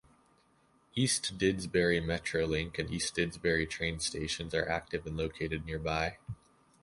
East Didsbury metrolink and East Didsbury train station are active and located nearby.